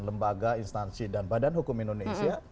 lembaga instansi dan badan hukum indonesia